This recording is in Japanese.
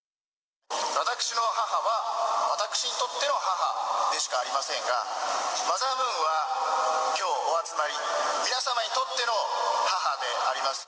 私の母は、私にとっての母でしかありませんが、マザームーンは、きょうお集まり、皆さんにとっての母であります。